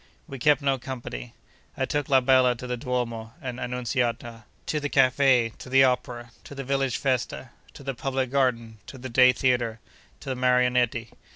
We kept no company. I took la bella to the Duomo and Annunciata, to the Café, to the Opera, to the village Festa, to the Public Garden, to the Day Theatre, to the Marionetti.